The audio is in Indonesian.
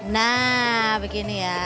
nah begini ya